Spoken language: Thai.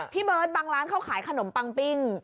พี่เบิร์ตบางร้านเขาขายขนมปังปิ้ง